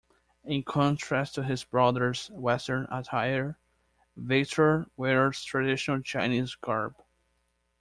In contrast to his brother's Western attire, Victor wears traditional Chinese garb.